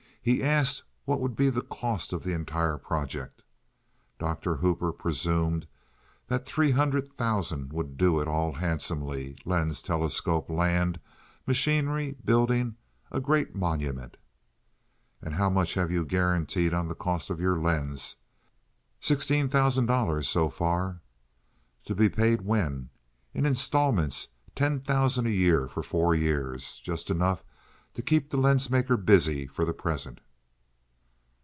He asked what would be the cost of the entire project. Dr. Hooper presumed that three hundred thousand would do it all handsomely—lens, telescope, land, machinery, building—a great monument. "And how much have you guaranteed on the cost of your lens?" "Sixteen thousand dollars, so far." "To be paid when?" "In instalments—ten thousand a year for four years. Just enough to keep the lens maker busy for the present."